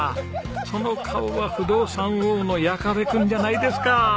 その顔は不動産王の矢加部君じゃないですか！